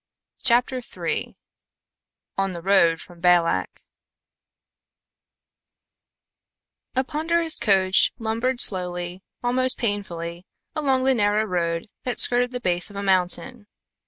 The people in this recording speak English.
CHAPTER III ON THE ROAD FROM BALAK A ponderous coach lumbered slowly, almost painfully, along the narrow road that skirted the base of a mountain.